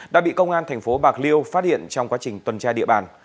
đã bị công an thành phố bạc liêu phát hiện trong quá trình tuần tra địa bàn